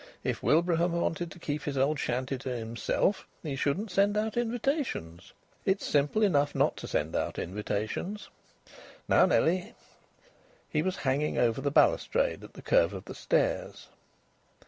If Wilbraham wanted to keep his old shanty to himself, he shouldn't send out invitations. It's simple enough not to send out invitations. Now, Nellie!" He was hanging over the balustrade at the curve of the stairs.